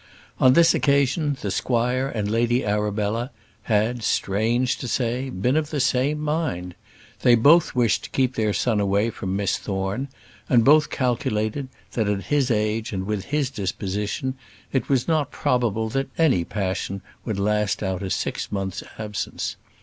On this occasion, the squire and Lady Arabella had, strange to say, been of the same mind. They both wished to keep their son away from Miss Thorne; and both calculated, that at his age and with his disposition, it was not probable that any passion would last out a six months' absence.